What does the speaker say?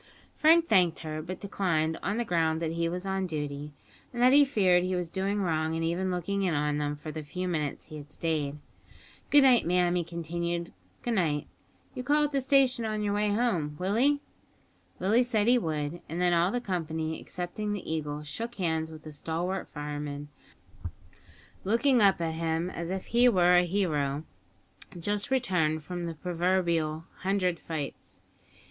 Frank thanked her, but declined, on the ground that he was on duty, and that he feared he was doing wrong in even looking in on them for the few minutes he had stayed. "Good night, ma'am," he continued, "good night. You'll call at the station on your way home, Willie?" Willie said he would, and then all the company, excepting the Eagle, shook hands with the stalwart fireman, looking up at him as if he were a hero just returned from the proverbial "hundred fights."